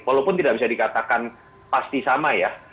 walaupun tidak bisa dikatakan pasti sama ya